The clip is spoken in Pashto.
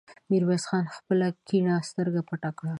ميرويس خان خپله کيڼه سترګه پټه کړه.